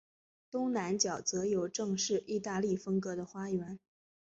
东南角则有正式意大利风格的花园。